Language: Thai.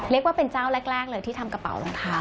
เรียกว่าเป็นเจ้าแรกเลยที่ทำกระเป๋ารองเท้า